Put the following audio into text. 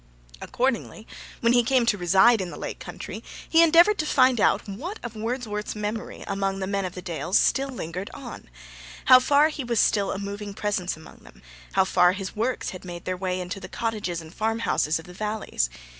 Accordingly, when he came to reside in the Lake Country, he endeavoured to find out what of Wordsworth's memory among the men of the Dales still lingered on how far he was still a moving presence among them how far his works had made their way into the cottages and farmhouses of the valleys.